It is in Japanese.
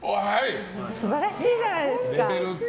素晴らしいじゃないですか。